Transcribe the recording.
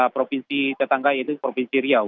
provinsi tetangga yaitu provinsi riau